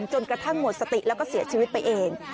จนกระทั่งหมดสติแล้วก็เสียชีวิตไปเอง